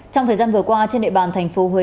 trong thời gian vừa qua trên địa bàn tp hcm